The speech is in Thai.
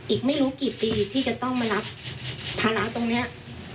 อีกไม่รู้กี่ปีที่จะต้องมารับภาระตรงนี้